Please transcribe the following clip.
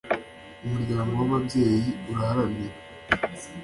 Umuryango w ababyeyi uharanira